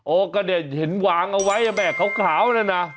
โอ้ก็เด็ดเห็นวางเอาไว้อะแม่ขาวเลยนะ